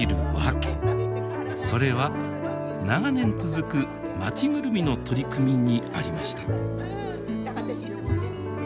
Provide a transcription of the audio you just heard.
それは長年続く町ぐるみの取り組みにありました。